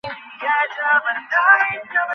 JS মারা যায়নি।